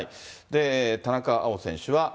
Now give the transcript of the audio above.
田中碧選手は。